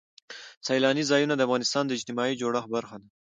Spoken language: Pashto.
سیلانی ځایونه د افغانستان د اجتماعي جوړښت برخه ده.